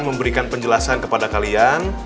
memberikan penjelasan kepada kalian